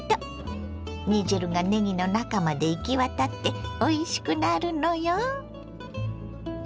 煮汁がねぎの中まで行き渡っておいしくなるのよ！